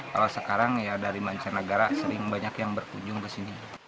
kalau sekarang ya dari mancanegara sering banyak yang berkunjung ke sini